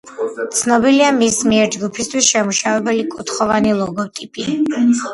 ცნობილია მის მიერ ჯგუფისათვის შემუშავებული კუთხოვანი ლოგოტიპი.